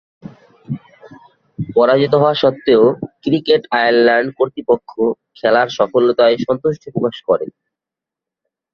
পরাজিত হওয়া স্বত্ত্বেও ক্রিকেট আয়ারল্যান্ড কর্তৃপক্ষ খেলার সফলতায় সন্তুষ্টি প্রকাশ করে।